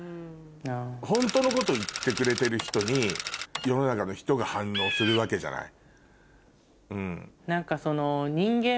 ホントのこと言ってくれてる人に世の中の人が反応するわけじゃない。